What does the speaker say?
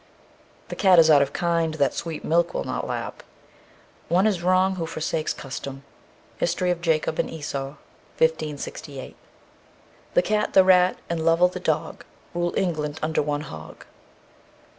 The cat is out of kind that sweet milk will not lap. One is wrong who forsakes custom. "History of Jacob and Esau," 1568. _The cat, the rat, and Lovel the dog, rule England under one hog.